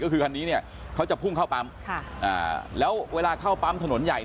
ก็คือคันนี้เนี่ยเขาจะพุ่งเข้าปั๊มแล้วเวลาเข้าปั๊มถนนใหญ่